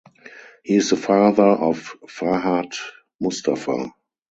He is the father of Fahad Mustafa.